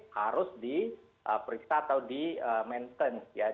harus di periksa atau di maintenance